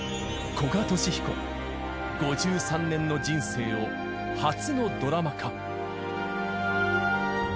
古賀稔彦、５３年の人生を初のドラマ化。